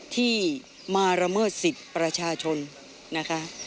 ที่มาละเมิดสิทธิ์ประชาชนนะคะ